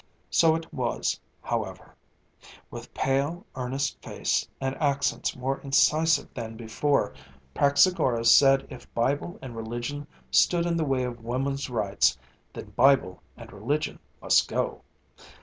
So it was, however; with pale, earnest face, and accents more incisive than before, Praxagora said if Bible and religion stood in the way of Woman's Rights, then Bible and religion must go.